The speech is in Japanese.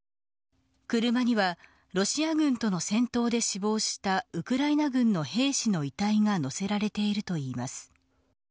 車にはロシア軍との戦闘で死亡したウクライナ軍の兵士の遺体がのせられているといいます。